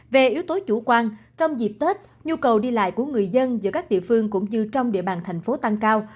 về yếu tố chủ quan trong dịp tết nhu cầu đi lại của người dân giữa các địa phương cũng như trong địa bàn thành phố tăng cao